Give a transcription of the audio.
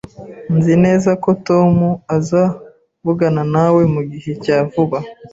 Nzi neza ko Tom azavugana nawe mugihe cya vuba